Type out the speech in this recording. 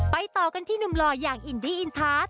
ต่อกันที่หนุ่มหล่ออย่างอินดี้อินทาส